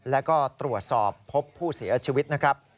แล้วก็ตรวจสอบพบผู้เสียชีวิตนะครับ